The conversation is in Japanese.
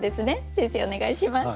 先生お願いします。